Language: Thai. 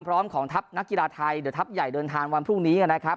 ของทัพนักกีฬาไทยเดี๋ยวทัพใหญ่เดินทางวันพรุ่งนี้นะครับ